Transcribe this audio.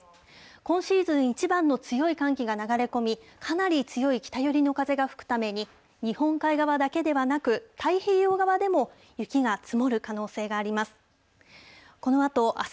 今シーズン一番の強い寒気が流れ込み、かなり強い北寄りの風が吹くために、日本海側だけではなく、太平洋側でも、雪が積もる可能性があります。